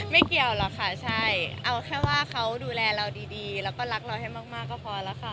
ไม่เกี่ยวหรอกค่ะใช่เอาแค่ว่าเขาดูแลเราดีแล้วก็รักเราให้มากก็พอแล้วค่ะ